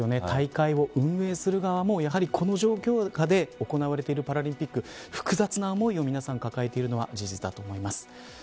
大会を運営する側もこの状況下で行われているパラリンピック複雑な思いを皆さん抱えられているのは、事実だと思います。